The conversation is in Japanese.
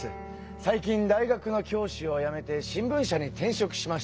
最近大学の教師をやめて新聞社に転職しましてね